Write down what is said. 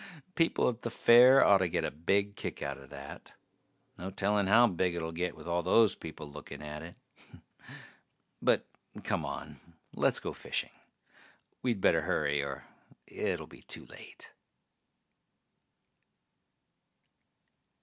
People at the fair oughtta get a big kick outta that. No telling how big it'll get with all those people looking at it. But come on, let's go fishing. We'd better hurry or it'll be too late.